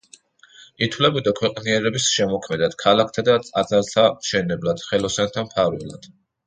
ითვლებოდა ქვეყნიერების შემოქმედად, ქალაქთა და ტაძართა მშენებლად, ხელოსანთა მფარველად.